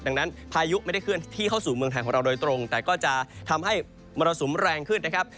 ดังนั้นพายุไม่ได้เคลื่อนที่เข้าสู่เมืองไทยของเราโดยตรงแต่ก็จะทำให้มรสุมแรงขึ้นนะครับ